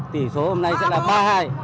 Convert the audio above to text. tỷ số hôm nay sẽ là ba hai